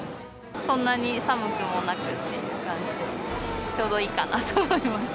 そんなに寒くもなく、ちょうどいいかなと思います。